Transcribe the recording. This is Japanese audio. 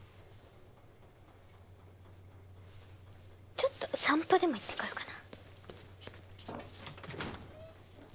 ちょっと散歩でも行ってこようかな。